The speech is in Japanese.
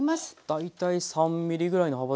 大体３ｍｍぐらいの幅ですか？